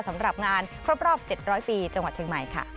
สำหรับงานครบรอบ๗๐๐ปีจังหวัดเชียงใหม่ค่ะ